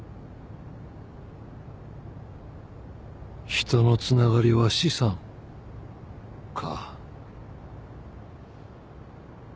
人のつながりは資産か。